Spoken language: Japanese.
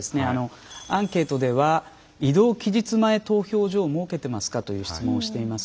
アンケートでは移動期日前投票所を設けていますかという質問をしています。